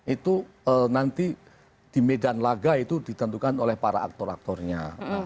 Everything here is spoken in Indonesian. itu nanti di medan laga itu ditentukan oleh para aktor aktornya